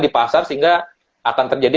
di pasar sehingga akan terjadi